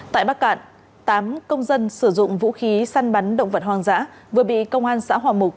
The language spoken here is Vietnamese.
tại bắc cạn tám công dân sử dụng vũ khí săn bắn động vật hoang dã vừa bị công an xã hòa mục